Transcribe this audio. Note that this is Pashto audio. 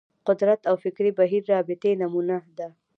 قدرت او فکري بهیر رابطې نمونه ده